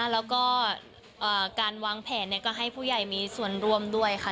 แล้วก็การวางแผนก็ให้ผู้ใหญ่มีส่วนร่วมด้วยค่ะ